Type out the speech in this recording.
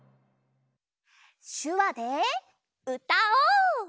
しゅわでうたおう！